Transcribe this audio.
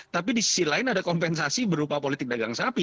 tapi di sisi lain ada kompensasi berupa politik dagang sapi